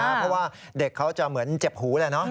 เพราะว่าเด็กเขาจะเหมือนเจ็บหูแหละเนาะ